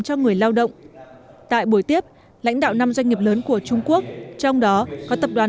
cho người lao động tại buổi tiếp lãnh đạo năm doanh nghiệp lớn của trung quốc trong đó có tập đoàn